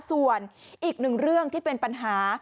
ส่วนอีกหนึ่งเรื่องที่เป็นปัญหา